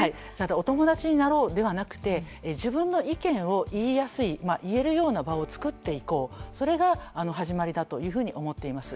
お友達になろうではなくて自分の意見を言いやすい言えるような場を作っていこうそれが始まりだというふうに思っています。